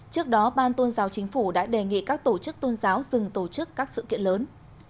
trước đó ban tôn giáo chính phủ đã đề nghị các tổ chức tôn giáo dừng tổ chức các sự kiện lớn